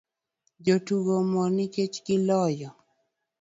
Jotugo omor nikech giloyo